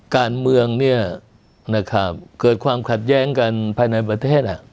การเมืองเนี่ยนะครับเกิดความขัดแย้งกันภายในประเทศ